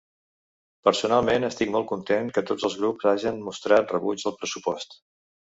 Personalment, estic molt content que tots els grups hagen mostrat rebuig al pressupost.